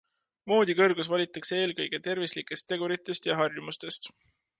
Voodi kõrgus valitakse eelkõige tervislikest teguritest ja harjumustest.